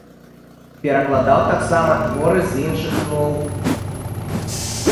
Перакладаў таксама творы з іншых моў.